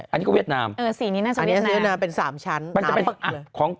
อันนี้ก็เวียดนามอันนี้ก็เวียดนามเป็นสามชั้น